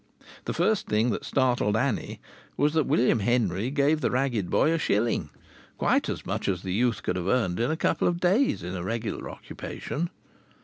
The first thing that startled Annie was that William Henry gave the ragged boy a shilling, quite as much as the youth could have earned in a couple of days in a regular occupation.